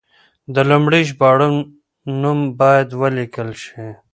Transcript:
د لومړي ژباړن نوم باید ولیکل شي.